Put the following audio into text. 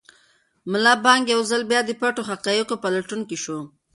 ملا بانګ یو ځل بیا د پټو حقایقو په لټون کې شو.